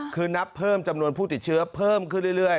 คือนับเพิ่มจำนวนผู้ติดเชื้อเพิ่มขึ้นเรื่อย